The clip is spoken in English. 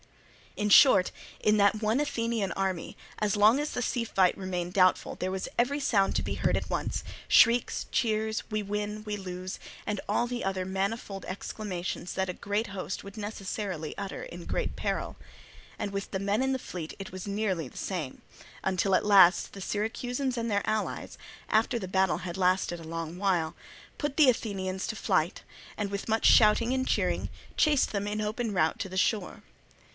In short, in that one Athenian army as long as the sea fight remained doubtful there was every sound to be heard at once, shrieks, cheers, "We win," "We lose," and all the other manifold exclamations that a great host would necessarily utter in great peril; and with the men in the fleet it was nearly the same; until at last the Syracusans and their allies, after the battle had lasted a long while, put the Athenians to flight, and with much shouting and cheering chased them in open rout to the shore.